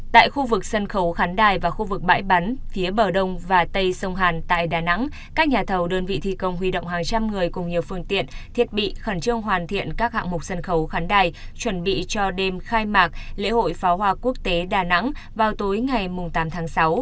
tại khu vực sân khấu khán đài và khu vực bãi bắn phía bờ đông và tây sông hàn tại đà nẵng các nhà thầu đơn vị thi công huy động hàng trăm người cùng nhiều phương tiện thiết bị khẩn trương hoàn thiện các hạng mục sân khấu khán đài chuẩn bị cho đêm khai mạc lễ hội pháo hoa quốc tế đà nẵng vào tối ngày tám tháng sáu